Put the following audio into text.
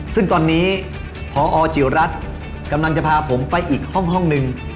ซึ่งตอนนี้พอจิรัตน์กำลังจะพาผมไปอีกห้องหนึ่ง